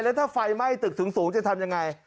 แล้วถ้าไฟไหม้ตึกสูงจะทำยังไง